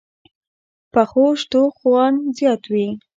پخو شتو خوند زیات وي